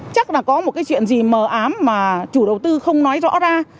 chắc là có một cái chuyện gì mờ ám mà chủ đầu tư không nói rõ ra